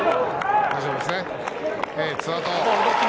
大丈夫ですね。